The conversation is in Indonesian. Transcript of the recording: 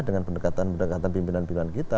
dengan pendekatan pendekatan pimpinan pimpinan kita